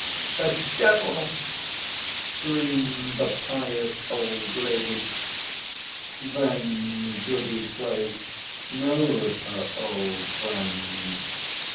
"The devil!" screamed the pious old lady. "Then Goody Cloyse knows her old friend?"